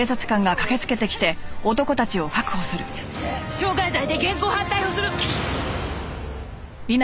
傷害罪で現行犯逮捕する！